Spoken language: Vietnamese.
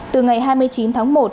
từ ngày hai mươi chín tháng một